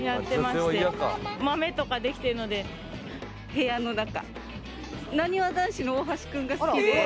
部屋の中。